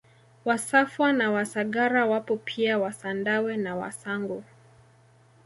Wasafwa na Wasagara wapo pia Wasandawe na Wasangu